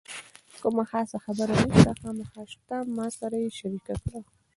کومه خاصه خبره نشته، خامخا شته له ما سره یې شریکه کړه.